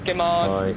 はい。